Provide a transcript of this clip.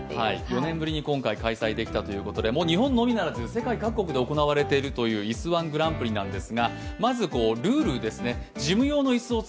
４年ぶりに今回、開催できたということでもう日本のみならず世界各国で行われているいす−１グランプリです。